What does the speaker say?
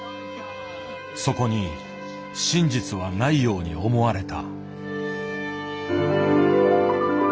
そこに真実はないように思われた。